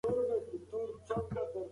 د خونې وږم ډېر خوږ و.